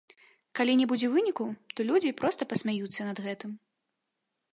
Калі не будзе выніку, то людзі проста пасмяюцца над гэтым.